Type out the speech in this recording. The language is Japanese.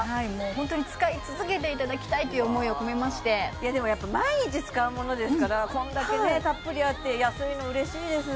ホントに使い続けていただきたいという思いを込めましていやでもやっぱ毎日使うものですからこんだけねたっぷりあって安いの嬉しいです